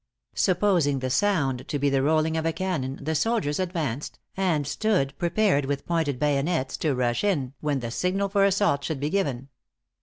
Supposing the sound to be the rolling of a cannon, the soldiers advanced, and stood prepared with pointed bayonets to rush in, when the signal for assault should be given.